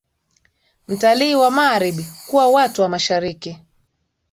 mtalii wa Magharibi kuwa watu wa mashariki